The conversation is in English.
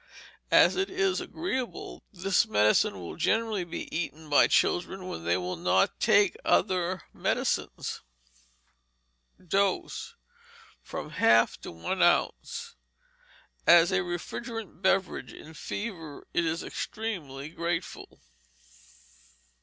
As it is agreeable, this medicine will generally be eaten by children when they will not take other medicines. Dose, from half to one ounce. As a refrigerant beverage in fevers it is extremely grateful.